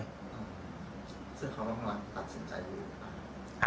คือเขาตัดสินใจอยู่หรือเปล่า